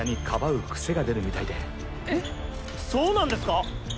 そうなんですか？